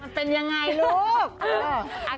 มันเป็นยังไงลูก